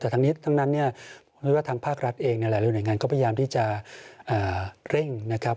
แต่ทั้งนี้ทั้งนั้นเนี่ยไม่ว่าทางภาครัฐเองในหลายหน่วยงานก็พยายามที่จะเร่งนะครับ